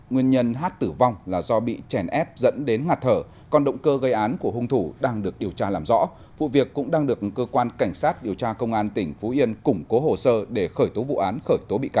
nguyên nhân hát tử vong là do bị chèn ép dẫn đến ngặt thở con động cơ gây án của hung thủ đang được điều tra làm rõ vụ việc cũng đang được cơ quan cảnh sát điều tra công an tỉnh phú yên củng cố hồ sơ để khởi tố vụ án khởi tố bị can